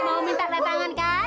mau minta pertanyaan kan